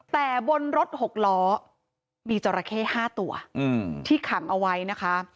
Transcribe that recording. แต่บนรถหกล้อมีจราเข้๕ตัวที่ขังเอาไว้นะคะ